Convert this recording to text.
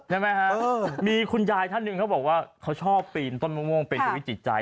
ใช่ไหมฮะมีคุณยายท่านหนึ่งเขาบอกว่าเขาชอบปีนต้นมะม่วงเป็นชีวิตจิตใจ